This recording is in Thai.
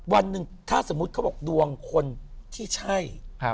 วันหนึ่งถ้าสมมุติเขาบอกดวงคนที่ใช่